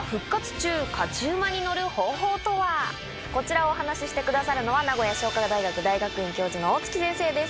こちらをお話ししてくださるのは名古屋商科大学大学院教授の大槻先生です。